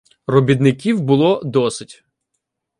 Робітників було досить.